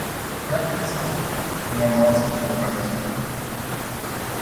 Chiar credeți că normal să provocați dispute?